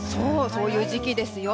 そういう時期ですよ。